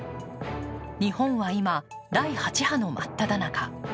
日本は今、第８波の真っただ中。